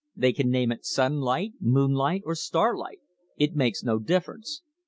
They can name it 'Sunlight,' 'Moonlight,' or 'Starlight,' it makes no difference.